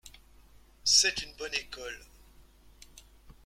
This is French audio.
C’est une bonne école.